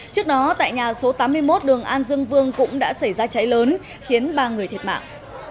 trước đó tại nhà số tám mươi một đường an dương vương cũng đã xảy ra cháy lớn khiến ba người thiệt mạng